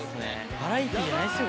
バラエティーじゃないですよ